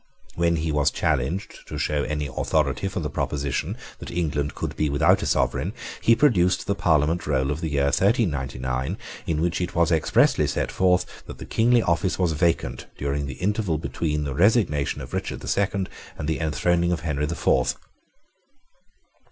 When he was challenged to show any authority for the proposition that England could be without a sovereign, he produced the Parliament roll of the year 1399, in which it was expressly set forth that the kingly office was vacant during the interval between the resignation of Richard the Second and the enthroning of Henry the Fourth.